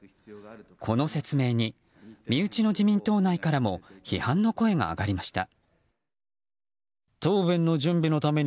この説明に身内の自民党内からも批判の声が上がりました。